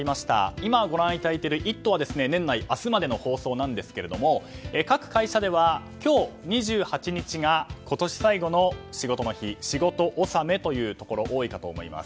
今、ご覧いただいている「イット！」は年内、明日までの放送なんですけれども各会社では今日２８日が今年最後の仕事の日仕事納めというところが多いかと思います。